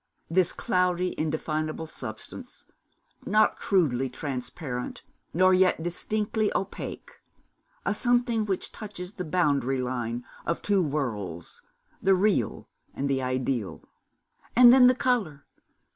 This cloudy indefinable substance, not crudely transparent nor yet distinctly opaque, a something which touches the boundary line of two worlds the real and the ideal. And then the colour!